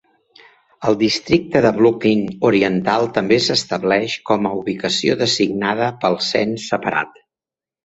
El districte de Brooklyn Oriental també s'estableix com a ubicació designada pel cens separat.